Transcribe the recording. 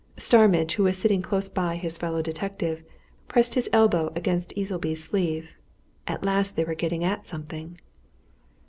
Starmidge, who was sitting close by his fellow detective, pressed his elbow against Easleby's sleeve at last they were getting at something.